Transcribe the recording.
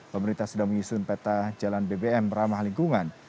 pemerintah sudah menyusun peta jalan bbm ramah lingkungan